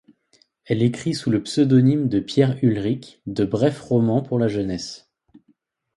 Elle écrit, sous le pseudonyme de Pierre Ulric, de brefs romans pour la jeunesse.